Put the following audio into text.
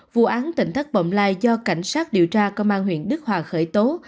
vụ án tỉnh thác bậm lai do cảnh sát điều tra công an huyện đức hòa khởi tố